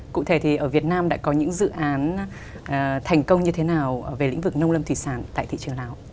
cụ thể thì ở việt nam đã có những dự án thành công như thế nào về lĩnh vực nông lâm thủy sản tại thị trường nào